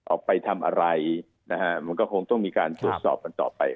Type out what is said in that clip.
ออกไปทำอะไรนะฮะมันก็คงต้องมีการตรวจสอบกันต่อไป